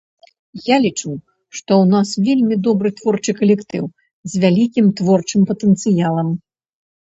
Я лічу, што ў нас вельмі добры творчы калектыў, з вялікім творчым патэнцыялам.